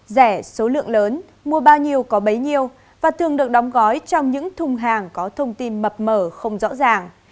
rẻ số lượng lớn mua bao nhiêu có bấy nhiêu và thường được đóng gói trong những thùng hàng có thông tin mập mở không rõ ràng